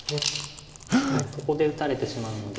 そこで打たれてしまうので。